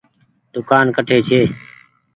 دوڪآن ڪٺي ڇي۔